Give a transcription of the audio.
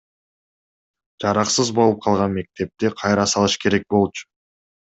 Жараксыз болуп калган мектепти кайра салыш керек болчу.